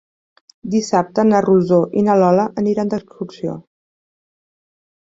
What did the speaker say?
Dissabte na Rosó i na Lola aniran d'excursió.